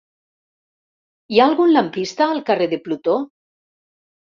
Hi ha algun lampista al carrer de Plutó?